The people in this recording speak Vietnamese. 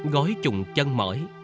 gói trùng chân mỡi